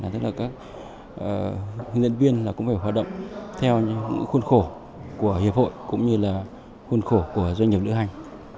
tức là các hướng dẫn viên là cũng phải hoạt động theo những khuôn khổ của hiệp hội cũng như là khuôn khổ của doanh nghiệp lựa hành